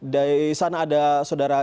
di sana ada saudara